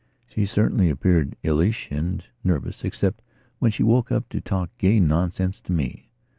She certainly appeared illish and nervous, except when she woke up to talk gay nonsense to me.